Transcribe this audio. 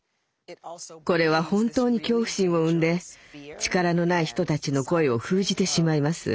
これは本当に恐怖心を生んで力のない人たちの声を封じてしまいます。